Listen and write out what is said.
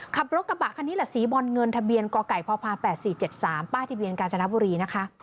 ขับรถกระบะคันนี้แหละสีบอลเงินทะเบียนกไก่พพ๘๔๗๓ป้ายทะเบียนกาญจนบุรีนะคะ